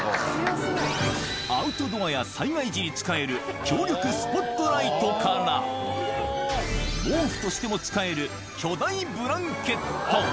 アウトドアや災害時に使える、強力スポットライトから、毛布としても使える巨大ブランケット。